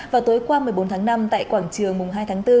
vào tối qua một mươi bốn tháng năm tại quảng trường mùng hai tháng bốn